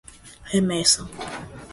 remessa